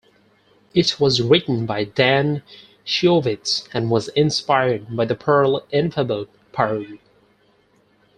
It was written by Dan Shiovitz and was inspired by the Perl infobot Purl.